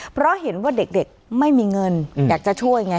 เพราะเห็นว่าเด็กไม่มีเงินอยากจะช่วยไง